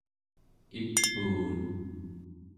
ipuun